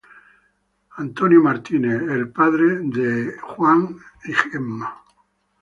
Leland Davidson: el padre de Charley y Gemma.